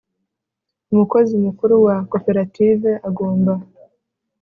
Umukozi mukuru wa Koperative agomba